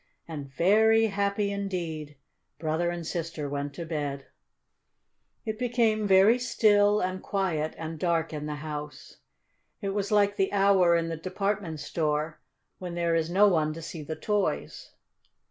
And, very happy indeed, brother and sister went to bed. It became very still and quiet and dark in the house. It was like the hour in the department store when there is no one to see the toys.